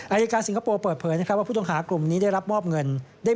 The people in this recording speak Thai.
อายการสิงคโปร์เปิดเผยนะครับว่าผู้ต้องหากลุ่มนี้ได้รับมอบเงิน